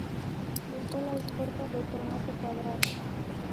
La cola es corta, de formato cuadrada.